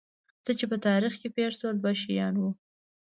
څه چې په تاریخ کې پېښ شول دوه شیان وو.